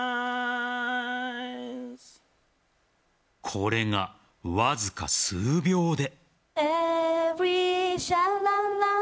これが、わずか数秒で。